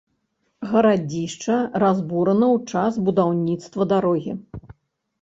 Гарадзішча разбурана ў час будаўніцтва дарогі.